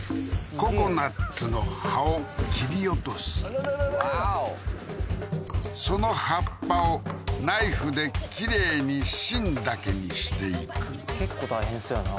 ココナッツの葉を切り落とすワオその葉っぱをナイフできれいに芯だけにしていく結構大変そうやな